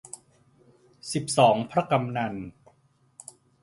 สิบสองพระกำนัล